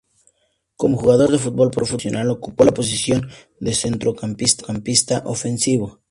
Como jugador de fútbol profesional ocupó la posición de centrocampista ofensivo.